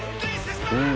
うん。